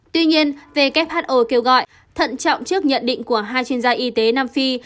tuy nhiên who kêu gọi thận trọng trước nhận định của hai chuyên gia y tế nam phi